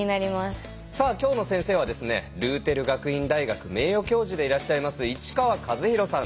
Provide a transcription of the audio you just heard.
さあ今日の先生はルーテル学院大学名誉教授でいらっしゃいます市川一宏さん。